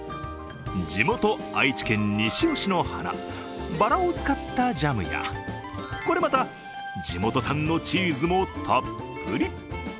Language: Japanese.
地元・愛知県西尾市の花ばらを使ったジャムやこれまで地元産のチーズたっぷり。